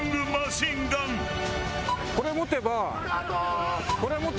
これもてば。